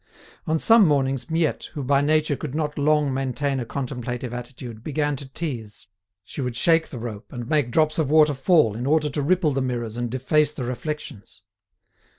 On some mornings, Miette, who by nature could not long maintain a contemplative attitude, began to tease; she would shake the rope, and make drops of water fall in order to ripple the mirrors and deface the reflections.